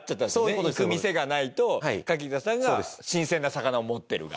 「行く店がない」と「カキダさんが新鮮な魚を持ってる」が。